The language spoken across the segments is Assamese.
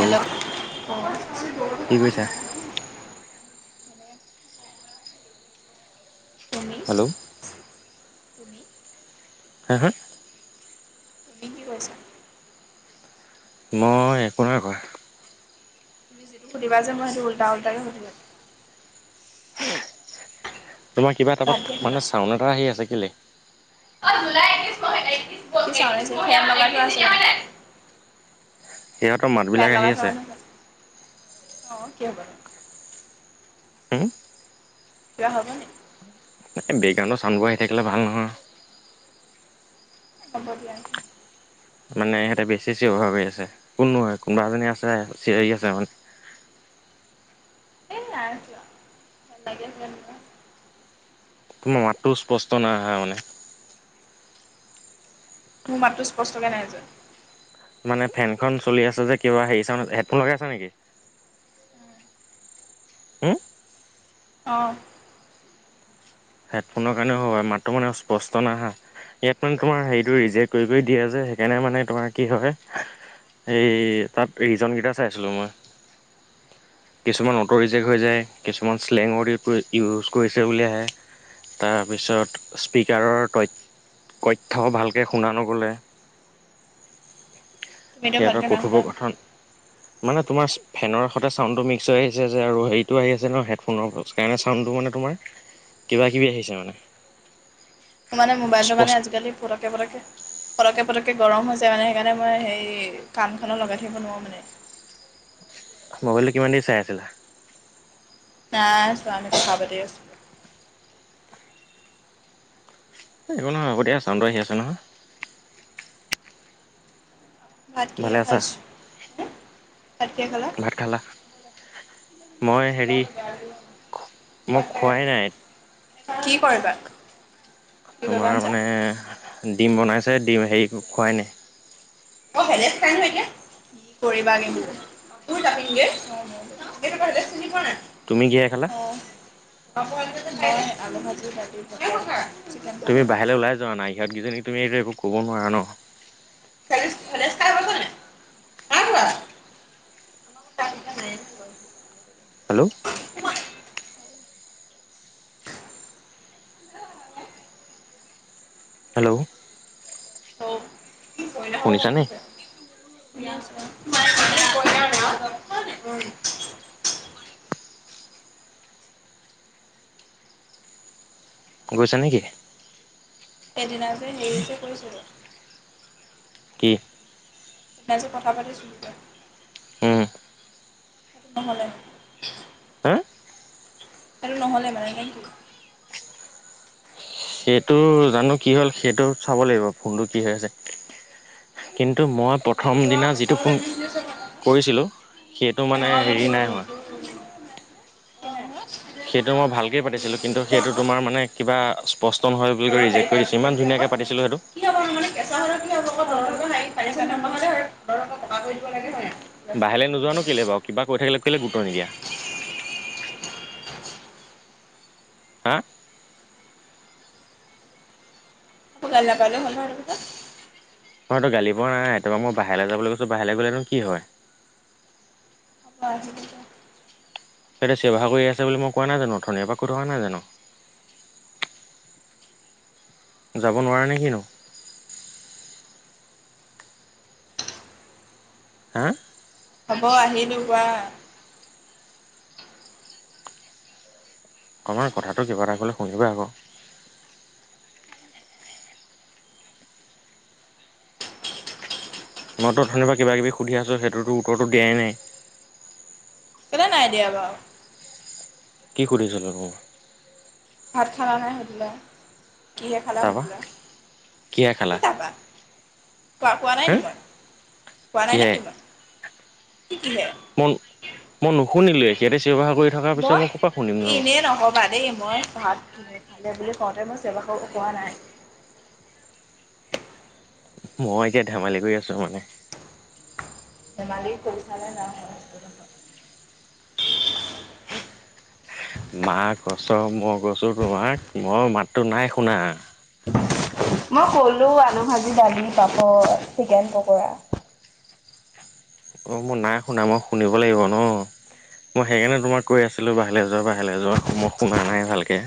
হেল্ল। কি কৰিছা? তুমি, হেল্ল' তুমি? [inaudible] তুমি কি কৰিছা? মই একো নাই কৰা। তুমি যিটো সুধিবা যে মই সেইটো উল্টা উল্টাকে সুধিলোঁ। তোমাৰ কিবা ভাত এটাপাক কিহে খালা? মানে চাউণ্ড এটা আহি আছে কেলে? [inaudible] সিহঁত মানুহ ফেন লগই থোৱা অঁ কিব হ'ব নো? হুম কিবা হব নি? এ বেকগ্ৰাউণ্ড ছাউণ্ডবোৰ আহি থাকিলে ভাল নহয়। হ'ব দিয়া। মানে হেতে বেছি চিঞৰ বাখৰ হৈ আছে, কোননো কোনোবা এজনী আছে চিঞৰি আছে মানে। এই নাই যোৱা [unintelligible] তোমাৰ মাতটো স্পষ্ট নাই আহা মানে। মোৰ মাতটো স্পষ্টকে নাই যোৱা? মানে ফেনখন চলি আছে যে কিবা হেৰি চাউণ্ড হেডফোন লগাই আছে নেকি? হু? অঁ। হেডফোনৰ কাৰণেও হ'ব পাৰে মাতটো মানে স্পষ্ট নাই আহা। হেডফোন তোমাৰ হেৰিটো ৰিজেক্ট কৰি দিয়া যে হেইকাৰণে মানে তোমাৰ কি হয় - হেই তাত ৰিজনকেইটা চাই আছিলো মই। কিছুমান অটো ৰিজেক হৈ যায়। কিছুমান শ্লেঙ ৱৰ্ড ইউজ কৰিছে বুলি আহে। তাৰপিছত স্পীকাৰৰ ত থ্য ভালকে শুনা নগলে। তুমিতো ভালকে সিহঁতৰ নাই শুনা। কথোপকথন - মানে তোমাৰ ফেনৰ সৈতে চাউণ্ডটো মিক্স হৈ আহিছে যে আৰু হেৰিটো আহি আছে ন হেডফোনৰ - সেইকাৰণে চাউণ্ডটো মানে তোমাৰ - কিবা কিবি আহিছে মানে। মানে মোবাইলটো মানে স্পষ্ট আজকালি পতকে পতকে - পতকে পতকে গৰম হৈ যায় মানে, সেইকাৰণে মই হেৰি কাণখনত লগাই থাকিব নোৱাৰো মানে। মোবাইলটো কিমান দেৰি চাই আছিলা? নাই চোৱা নাই কথা পাত আছো। এই একো নহয় হ'ব দিয়া চাউণ্ডটো আহি আছে নহয়। ভাত কিহে ভালে আছা খাইছো, হু ভাত কিহে খালা? ভাত খালা, মই হেৰি। মই খোৱাই নাই। কি কৰিবা? কি কৰিবা তোমাৰ আনছা? মানে ডিম বনাইছে ডিম হেৰি খোৱাই নাই। [unintelligible] কি কৰিবা [unintelligible] চিন পোৱা নাই? তুমি কিহেৰে খালা? অ'। মই আলু ভাজি, দালি, মটৰ। তুমি বাহিৰলে ওলাই যোৱা না। ইহতকেইজনী তুমি এইটো একো কব নোৱাৰা ন। [unintelligible] [unintelligible] হেল্লো'। [unintelligible] [unintelligible] হেল্লো'। শুনিছানে [unintelligible] [unintelligible] গৈছা নেকি? সেইদিনা যে হেৰি যে কৰিছিলো। কি? সেইদিনা যে কথা পাতিছিলি ত‌ই। উম সেইটো নহ'লে। হা সেইটো নহ'লে মানে নেকি? সেইটো জানো কি হ'ল, সেইটো চাব লাগিব ফোনটো কি হৈ আছে। কিন্তু মই প্ৰ থম দিনা যিটো ফোন কৰিছিলো, সেইটো মানে হেৰি নাই হোৱা। [unintelligible] সেইটো মই ভালকেই পাতিছিলো, কিন্তু সেইটো তোমাৰ মানে কিবা পষ্ট নহয় বুলি কৈ তলৰ হেৰি ৰিজেক কৰি দিছে, কাগজ ইমান থাকিলে আকৌ ধুনীয়াকে পাতিছিলো সেটো। কি হ'ব নো মানে কেঁচা হ'লে কি হ'ব [unintelligible] দৰকক পকা কৰি দিব লাগে হয় নাই। বাহেলে নোযোৱা নো কেলে বাৰু কিবা কৈ থাকিলে কেলে গুৰুত্বৰ নিদিয়া? আ। মোক গালী নাপাৰীলে হ'ল হয় নহয় এইটো ক চোন? মই তোক গালি পৰা নাই তোমাক মই বাহেলে যাবলে কৈছো বাহেলে গলেনো কি হয়? [unintelligible] সেইয়া চিয়ৰ বাখৰ কৰি আছে বুলি মই কোৱা নাই জানো অথনিৰ পৰা কৈ থকা নহয় জানো। যাব নোৱাৰে নে কিনো। হা? হ'ব আহিলো কোৱা? অ নয় কথাটো কিবা এটা ক'লে শুনিবা আক। মই ত উঠেনি বা কিবা কিবি সুধি আছো সেইটোতো উত্তৰটো দিয়াই নাই। কেলে নাই দিয়া বাও। কি সুধিছিলো নো? ভাত খালা নাই সুধিলা, কিহে খালা তাৰপা সুধিলা। কিহে কি খালা তা পা, কোৱা? কোৱা নাই হা নি মই? কোৱা নাই কিহে নেকি মই? কি কিহে? মই মই নুশুনিলোৱে সিহঁতে চিঞৰ-বাখৰ কৰি থকাৰ পিছত মই, ক'ৰপা শুনিম নো বাৰু এনে নকবা দেই মই ভাত ইফালে বুলি কওতে মই চিয়ৰ বাখৰ কোৱা নাই। মই এতিয়া ধেমালি কৰি আছো মানে? ধেমালি কৰিছা নে নাই [unintelligible] মা কছম মই কৈছো তোমাক মই মাতটো নাই শুনা? মই কলো আলু ভাজি, দালি, পাপৰ, চিকেন পকৰা। অ মই নাই শুনা মই শুনিব লাগিব ন। মই সেইকাৰণে তোমাক কৈ আছিলো বাহিৰলে যোৱা বাহিৰলে যোৱা মই শুনা নাই ভালকে।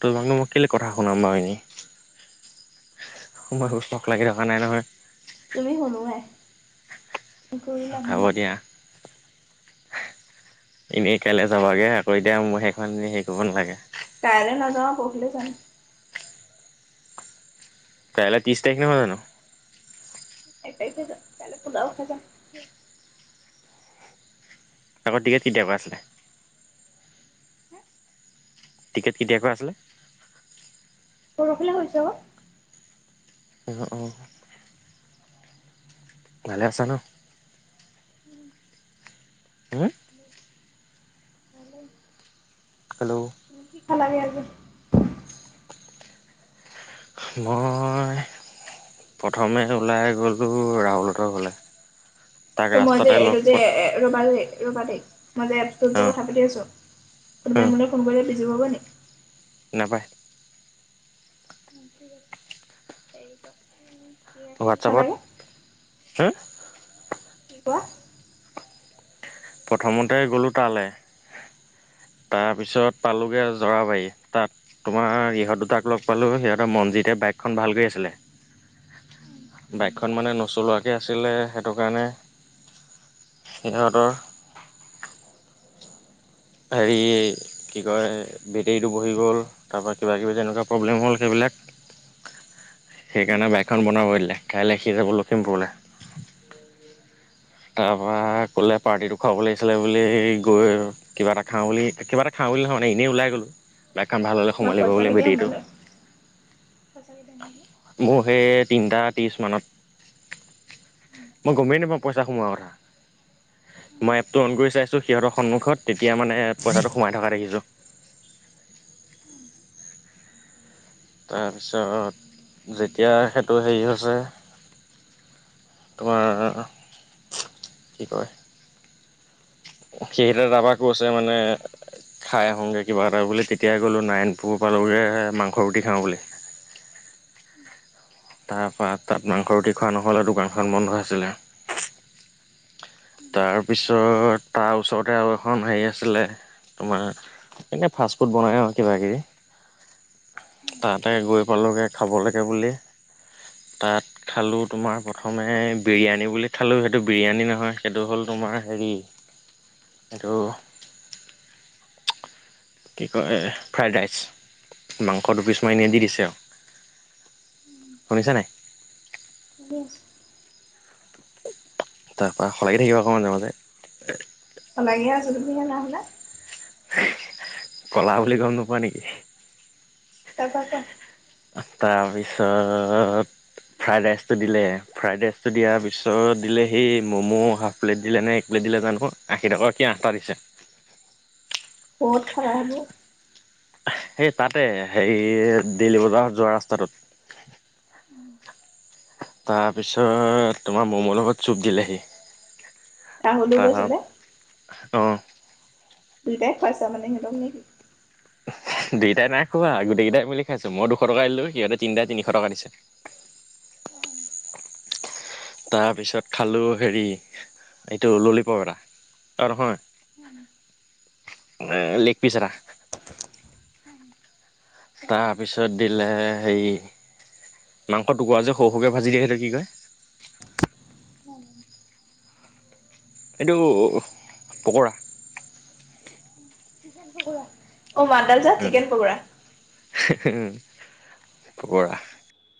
তোমাক নো কেলে কথা শুনাম বাৰু এনেই। [unintelligible] তুমি শুনো ভাই। হ'ব দিয়া। এনেই কাইলে যাবাগে আকৌ এতিয়া মোৰ সেইখন শেষ কৰিব নালাগে। কাইলছ নাযাওঁ পৰখিলে যাম। কাইলে ত্ৰিশ তাৰিখ নহয় জানো। এক তাৰিখে যাম কাইলে [unintelligible] তা পা ডি এড কেতিয়াপা আছিলে। হে? টিকেট কেতিয়া পা আছিলে? পৰখিলে হৈছে অ। হে'হ অ। ভালে আছা ন? [unintelligible] হুম? Hello hello. কি কি খালাগে আজি মই প্ৰথমে ওলাই গ'লোঁ ৰাহুল হতৰ ঘৰ'লে তাক ত মই যে ৰাস্তাতে লগ এইটো যে পোৱা এ ৰবা দেই, ৰ'বা দেই, মই যে এপটোত যে অঁ কথা পাতি আছো, কোনোবাই মোলে ফোন কৰিলে বিজি পাব নি? নাপাই উম, ঠিক আছে, কাইয়েপা হোৱাটছআপত, হুম কি কোৱা। প্ৰথমতে গ'লোঁ তালে তাৰপিছত পালোগে জৰাবাৰী, তাত- তোমাৰ ইহঁত দুটাক লগ পালোঁ সিহঁতৰ মনজিতে বাইকখন ভাল কৰি আছিলে। বাইকখন মানে নচলোৱাকে আছিলে সেইটোকাৰণে- সিহঁতৰ হেৰি কি কয় বেটেৰীটো বহি গ'ল, তাপা কিবা কিবি যে এনেকুৱা প্ৰব্লেম হ'ল সেইবিলাক। সেইকাৰণে বাইকখন বনাব দিলে কাইলে সি যাব লখিমপুৰলে। তাৰপা ক'লে পাৰ্টিটো খুৱাব লাগিছিলে বুলি গৈ কিবা এটা খাওঁ বুলি কিবা এটা খাওঁ বুলি নহয় মানে এনেই ওলাই গ'লো। বাইকখন ভাল হ'লে সময় তোমাৰ লাগিব পইচা বোলে কেতিয়া বেটেৰীটো সোমালে? পইচা কেতিয়া সোমালে? মোৰ সেই তিনটা ত্ৰিশ মানত মই গমেই নাপাওঁ পইচা সোমোৱাৰ কথা মই এপটো অন কৰি চাইছোঁ সিহঁতৰ সন্মুখত তেতিয়া মানে পইচাটো সোমাই থকা দেখিছোঁ তাপিছত যেতিয়া সেইটো হেৰি হৈছে তোমাৰ কি কয় সেইটা দাবা কৈছে মানে খাই আহোংগে কিবা এটা বুলি তেতিয়া গ'লোঁ নাৰায়ণপুৰ পালোগে মাংস ৰুটি খাওঁ বুলি তাৰপৰা তাত মাংস ৰুটি খোৱা নহ'লে দুকানখন বন্ধ আছিলে তাৰপিছত তাৰ ওচৰতে আৰু এখন হেৰি আছিলে তোমাৰ এনে ফাষ্টফুড বনাই আৰু কিবা কিবি তাতে গৈ পালগে খাব লাগে বুলি তাত খালোঁ তোমাৰ প্ৰথমে বিৰিয়ানী বুলি খালোঁ সেইটো বিৰিয়ানী নহয় সেইটো হ'ল তোমাৰ হেৰি সেটো কি কয় ফ্ৰাইড ৰাইচ মাংস দুপিছ মান ইনে দি দিছে আউ শুনিছা নাই শুনি আছো তা পা সলাগি থাকিবা ক মাজে মাজে সলাগিয়ে আছো তুমি হে নাই শুনা কলা বুলি গম নোপোৱা নিকি তা পা কোৱা তাৰপিছত ফ্ৰাইড ৰাইচটো দিলে ফ্ৰাইড ৰাইচটো দিয়াৰ পিছত দিলে সেই ম'ম' হাফ প্লেট দিলে নে এক প্লেট দিলে জানো আশী টকাকে আঠটা দিছে বহুত খালা সেইবোৰ। সেই তা'তে হেৰি দেল'লী বজাৰ যোৱা ৰাস্তাটোত। তাৰপিছত তোমাৰ ম'ম' লগত চুপ দিলেহি। ৰাহুলো তাৰ, গৈছিলে অঁ',। দুইটাই খোৱালি তাৰমানে হিহঁতক নেকি? দুইটাই নাই খোৱা, গোটেইকেইটাই মিলি খাইছো মই দুশ টকা আনিলো সিহঁতে তিনিটা তিনিশ টকা দিছে। [unintelligible] তাৰপিছত খালোঁ হেৰি এইটো ল'লি প'প এটা। আৰু নহয় উম। এ' লেগ পিচ এটা। উম। তাৰপিছত দিলে হেৰি মাংস টুকুৰা যে সৰু-সৰুকৈ ভাজি দিয়ে যে সেইটো কি কয়। [unintelligible] এইটো পকৰা। চিকেন পকৰা, অ' মডাল চাহ, চিকেন পকৰা। পকৰা।